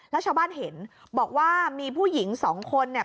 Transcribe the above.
แล้วชาวบ้านเห็นบอกว่ามีผู้หญิงสองคนเนี่ย